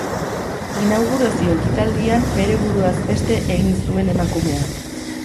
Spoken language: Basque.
Inaugurazio ekitaldian bere buruaz beste egin zuen emakumea.